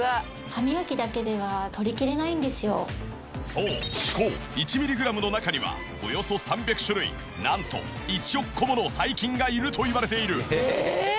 そう歯垢１ミリグラムの中にはおよそ３００種類なんと１億個もの細菌がいるといわれている。